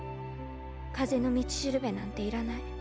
かぜのみちしるべなんていらない。